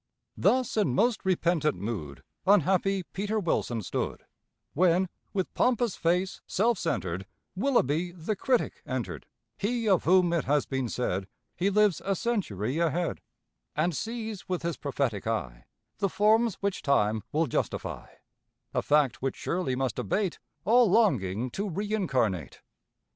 Thus in most repentant mood Unhappy Peter Wilson stood, When, with pompous face, self centred, Willoughby the critic entered — He of whom it has been said He lives a century ahead — And sees with his prophetic eye The forms which Time will justify, A fact which surely must abate All longing to reincarnate.